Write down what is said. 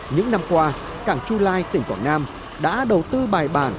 những năm qua cảng chu lai tỉnh quảng nam đã đầu tư bài bản